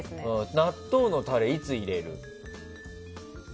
納豆のタレ、いつ入れる？